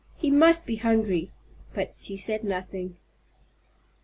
"He must be hungry." But she said nothing.